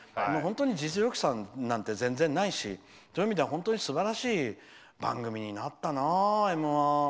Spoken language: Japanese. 本当に実力差なんて全然ないしそういう意味では本当にすばらしい番組になったな「Ｍ‐１」。